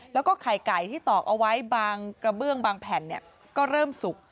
แล้วก็ไข่ไก่ที่ตอกเอาไว้บางกระเบื้องบางแผ่นก็เริ่มสุก